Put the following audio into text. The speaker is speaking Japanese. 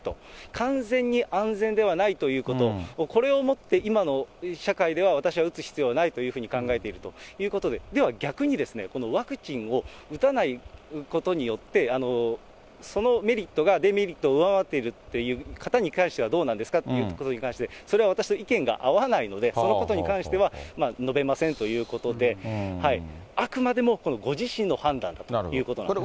完全に安全ではないということ、これをもって、今の社会では、私は打つ必要はないというふうに考えているということで、では逆に、このワクチンを打たないことによって、そのメリットがデメリットを上回っているという方に関しては、どうなんですかということに関して、それは私と意見が合わないので、そのことに関しては、述べませんということで、あくまでもご自身の判断だということなんです。